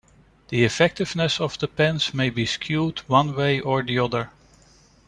The effectiveness of the pens may be skewed- one way or the other.